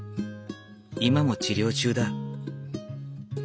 今も治療中だ。